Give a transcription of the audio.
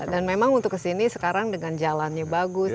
dan memang untuk ke sini sekarang dengan jalannya bagus